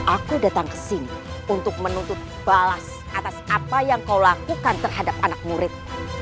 aku datang ke sini untuk menuntut balas atas apa yang kau lakukan terhadap anak murid